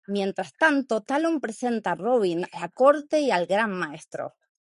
Mientras tanto, Talon presenta a Robin a la Corte y al Gran Maestro.